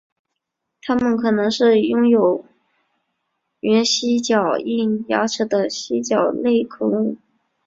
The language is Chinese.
它们可能是种拥有原蜥脚类牙齿的蜥脚类恐龙。